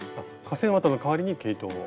化繊綿の代わりに毛糸を？